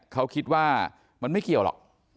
เขาคิดว่ามันไม่เกี่ยวหรอก